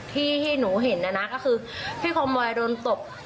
ที่ที่หนูเห็นนะนะก็คือพี่คอมมอยโดนตบ